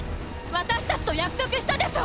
私たちと約束したでしょ？